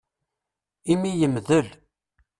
Imi yemdel.